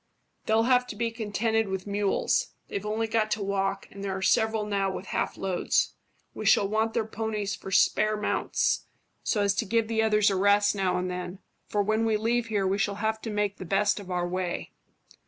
"They'll have to be contented with mules. They've only got to walk, and there are several now with half loads. We shall want their ponies for spare mounts, so as to give the others a rest now and then, for when we leave here we shall have to make the best of our way."